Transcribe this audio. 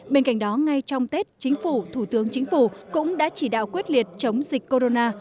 bên cạnh đó ngay trong tết chính phủ thủ tướng chính phủ cũng đã chỉ đạo quyết liệt chống dịch corona